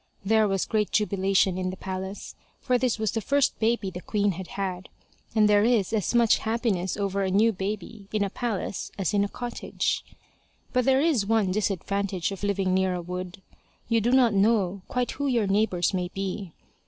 There was great jubilation in the palace, for this was the first baby the queen had had, and there is as much happiness over a new baby in a palace as in a cottage. But there is one disadvantage of living near a wood: you do not know quite who your neighbours may be.